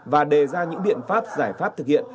và đề ra những biện pháp giải pháp thực hiện